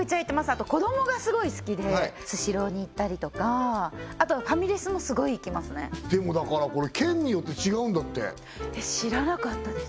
あと子供がすごい好きでスシローに行ったりとかあとファミレスもすごい行きますねでもだからこれ県によって違うんだって知らなかったです